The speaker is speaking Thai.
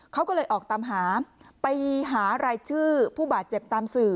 เขาก็เลยออกตามหาไปหารายชื่อผู้บาดเจ็บตามสื่อ